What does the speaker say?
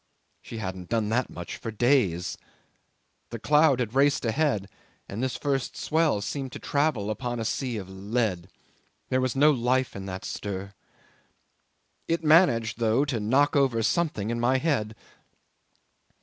She hadn't done that much for days. The cloud had raced ahead, and this first swell seemed to travel upon a sea of lead. There was no life in that stir. It managed, though, to knock over something in my head.